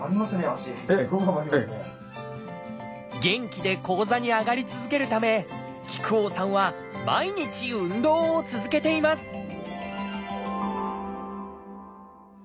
元気で高座に上がり続けるため木久扇さんは毎日運動を続けています